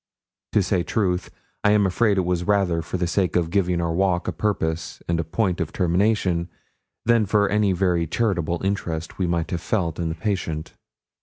To say truth, I am afraid it was rather for the sake of giving our walk a purpose and a point of termination, than for any very charitable interest we might have felt in the patient.